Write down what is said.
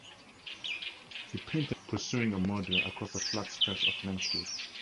He painted "Nemesis" pursuing a murderer across a flat stretch of landscape.